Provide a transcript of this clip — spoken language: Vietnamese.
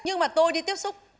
nhưng mà tôi đi tiếp xúc